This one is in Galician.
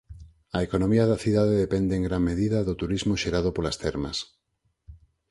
A economía da cidade depende en gran medida do turismo xerado polas termas.